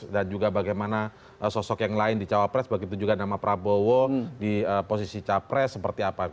dan juga bagaimana sosok yang lain di cawa pres begitu juga nama prabowo di posisi cawa pres seperti apa